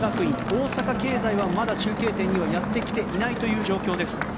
大阪経済はまだ中継点にはやってきていない状況です。